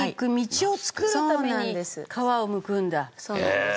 そうなんです。